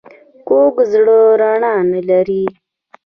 کوږ زړه رڼا نه لري